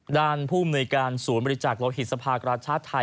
ด้านภูมิในการสูญบริจาคล้อยหิตสรรพากรชาติไทย